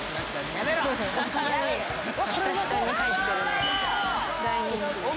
お皿にひたひたに入ってるので大人気です。